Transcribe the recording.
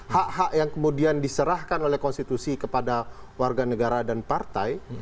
hak hak yang kemudian diserahkan oleh konstitusi kepada warga negara dan partai